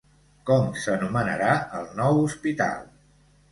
Com s'anomenarà el nou hospital?